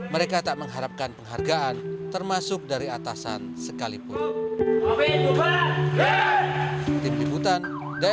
mereka tak mengharapkan penghargaan termasuk dari atasan sekalipun